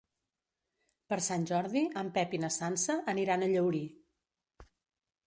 Per Sant Jordi en Pep i na Sança aniran a Llaurí.